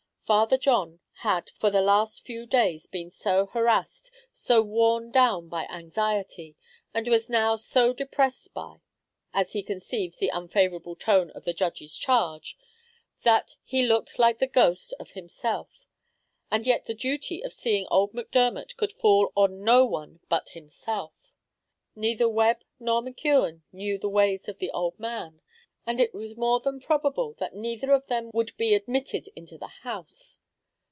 Father John had for the last few days been so harassed, so worn down by anxiety, and was now so depressed by, as he conceived the unfavourable tone of the judge's charge, that he looked like the ghost of himself; and yet the duty of seeing old Macdermot could fall on no one but himself. Neither Webb nor McKeon knew the ways of the old man, and it was more than probable that neither of them would be admitted into the house.